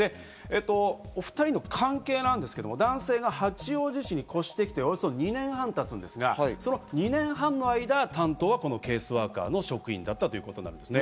お２人の関係なんですけれども、男性が八王子市に越してきて２年半経つんですが、その２年半の間、担当はこのケースワーカーの職員だったということですね。